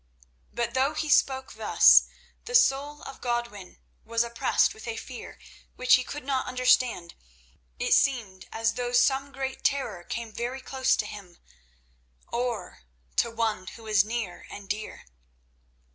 But though he spoke thus, the soul of Godwin was oppressed with a fear which he could not understand. It seemed as though some great terror came very close to him, or to one who was near and dear.